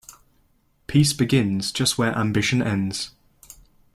Peace begins just where ambition ends.